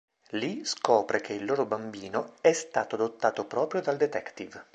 Lì, scopre che il loro bambino è stato adottato proprio dal detective.